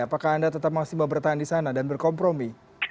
apakah anda tetap maksimal bertahan di sana dan berkompromi